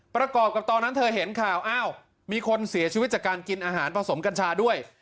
ประกอบกับตอนนั้นเธอเห็นข่าวอ้าวมีคนเสียชีวิตจากการกินอาหารผสมกัญชาด้วย